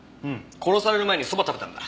殺される前にそば食べたんだ！